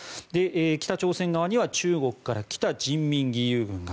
北朝鮮側には中国から来た人民義勇軍が。